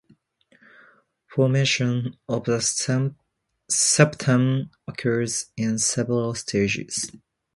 Formation of the septum occurs in several stages.